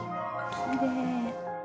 きれい。